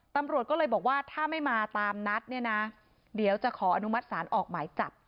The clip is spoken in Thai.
ตำรวจก็เลยบอกว่าถ้าไม่มาตามนัดเนี่ยนะเดี๋ยวจะขออนุมัติศาลออกหมายจับ